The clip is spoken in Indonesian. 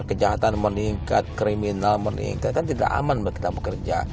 kejahatan meningkat kriminal meningkat kan tidak aman buat kita bekerja